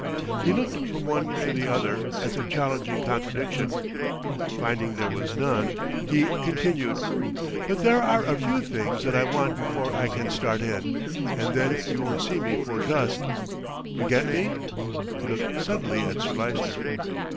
He looked from one to the other, as if challenging contradiction. Finding there was none, he continued: "But there are a few things that I want before I can start in, and then you won't see me for dust. You get me?" He looked suddenly at Sir Lyster.